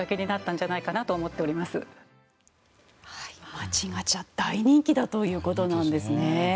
街ガチャ大人気だということなんですね。